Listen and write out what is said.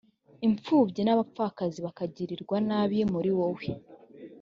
impfubyi n abapfakazi bakagirirwa nabi muri wowe